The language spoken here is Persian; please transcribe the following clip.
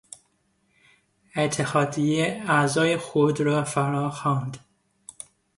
اتحادیه اعضای خود را فرا خواند.